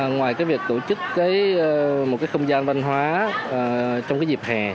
ngoài việc tổ chức một không gian văn hóa trong dịp hè